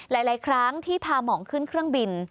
หลายครั้งที่พาหมองขึ้นเครื่องบิน